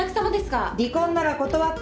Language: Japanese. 離婚なら断って。